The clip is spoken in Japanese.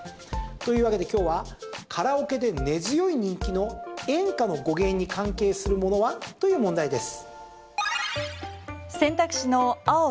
というわけで、今日はカラオケで根強い人気の演歌の語源に関係するものは？という問題です。